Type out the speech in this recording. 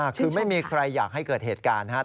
คือไม่มีใครอยากให้เกิดเหตุการณ์นะครับ